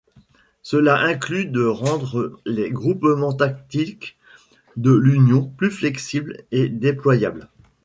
Cela inclut de rendre les groupements tactiques de l'Union plus flexible et déployable.